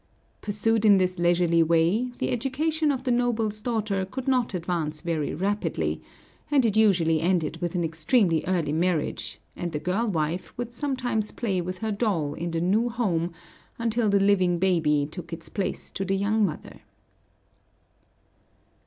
Pursued in this leisurely way, the education of the noble's daughter could not advance very rapidly, and it usually ended with an extremely early marriage; and the girl wife would sometimes play with her doll in the new home until the living baby took its place to the young mother.